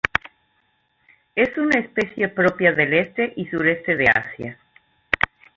Es una especie propia del este y sureste de Asia.